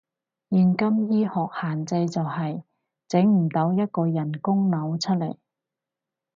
現今醫學限制就係，整唔到一個人工腦出嚟